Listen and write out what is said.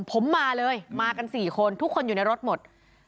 ผมมาเลยมากัน๔คนทุกคนอยู่ในรถหมด